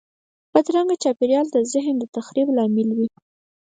بدرنګه چاپېریال د ذهن د تخریب لامل وي